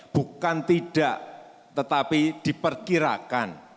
bukan tidak tetapi diperkirakan